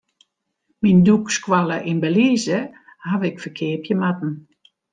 Myn dûkskoalle yn Belize haw ik ferkeapje moatten.